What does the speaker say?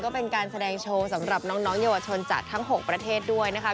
ก็เป็นการแสดงโชว์สำหรับน้องเยาวชนจากทั้ง๖ประเทศด้วยนะคะ